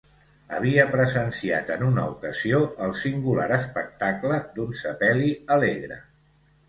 Havia presenciat en una ocasió el singular espectacle d'un sepeli alegre.